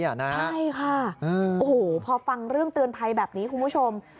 ใช่ค่ะโอ้โหพอฟังเรื่องเตือนภัยแบบนี้คุณผู้ชม